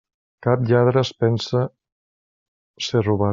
Cap lladre es pensa ser robat.